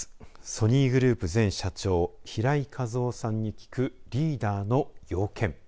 ソニーグループ前社長平井一夫さんに聞くリーダーの要件。